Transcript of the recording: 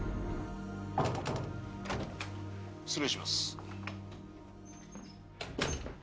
失礼します。